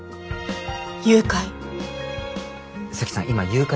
誘拐。